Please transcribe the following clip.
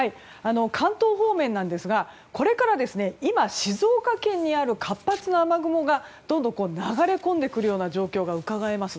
関東方面なんですがこれから今静岡県にある活発な雨雲がどんどん流れ込んでくるような状況がうかがえます。